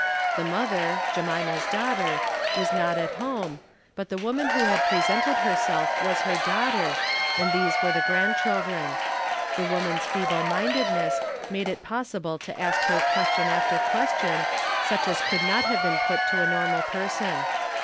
The mother, Jemima's daughter, was not at home, but the woman who had presented herself was her daughter, and these were the grandchildren. The woman's feeble mindedness made it possible to ask her question after question, such as could not have been put to a normal person.